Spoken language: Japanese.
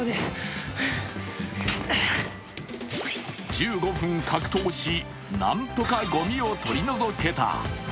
１５分格闘し、何とかごみを取り除けた。